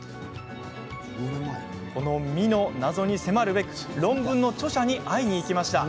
この「み」の謎に迫るべく論文の著者に会いにいきました。